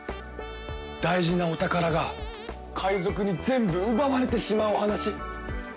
大事なお宝が界賊に全部奪われてしまうお話。